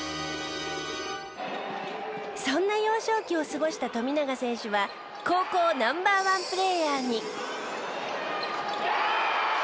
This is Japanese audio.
そんな幼少期を過ごした富永選手は高校Ｎｏ．１プレーヤーに。